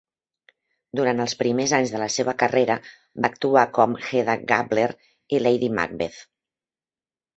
Durant els primers anys de la seva carrera, va actuar com Hedda Gabler i Lady Macbeth.